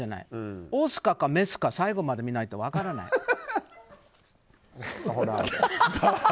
オスかメスか最後まで見ないと分からない。